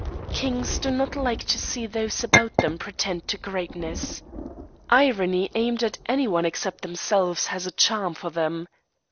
Kings do not like to see those about them pretend to greatness. Irony aimed at any one except themselves has a charm for them.